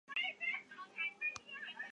渥太华条约。